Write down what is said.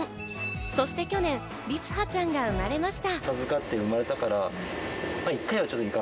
そして去年、りつはちゃんが生まれました。